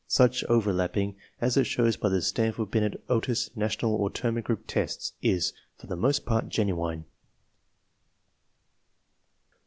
Such overlapping as is shown by the Stanford Binet, Otis, National, or Terman Group tests is, for the most *4>art, genuine.